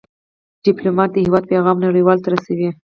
ډيپلومات د هېواد پېغام نړیوالو ته رسوي.